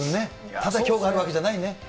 ただきょうがあるわけじゃないんだね。